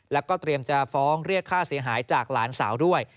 แล้วก็เตรียมจะฟ้องเรียกค่าเสียหายจากหลานสาวด้วย